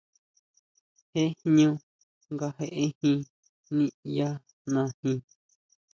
Jee jñú nga jéʼejin niʼyanajin.